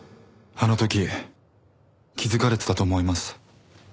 あの時気づかれてたと思います。